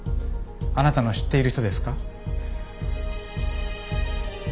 あなたの知っている人ですか？